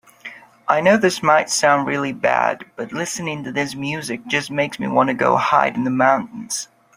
I know this might sound really bad, but listening to this music just makes me want to go hide in the mountains.